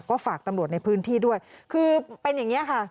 ก็ฝากตำรวจในพื้นที่ด้วยคือเป็นอย่างนี้ค่ะ